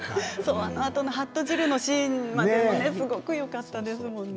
そのあとのはっと汁のシーンもすごくよかったですよね